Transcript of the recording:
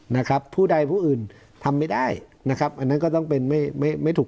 นะครับผู้ใดผู้อื่นทำไม่ได้นะครับอันนั้นก็ต้องเป็นไม่ไม่ถูก